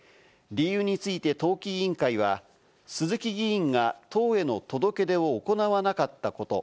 理由について党紀委員会は鈴木議員が党への届け出を行わなかったこと。